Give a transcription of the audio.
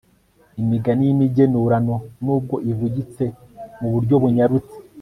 imigani y'imigenurano nubwo ivugitse mu buryo bunyarutse